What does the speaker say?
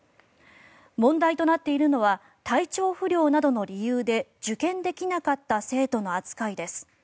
問題となっているのは体調不良などの理由で受験できなかった生徒の扱いです。